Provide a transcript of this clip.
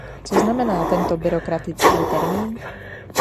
Co znamená tento byrokratický termín?